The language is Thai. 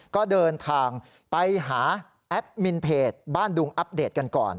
ก็เดินทางไปหาแอดมินเพจบ้านดุงอัปเดตกันก่อน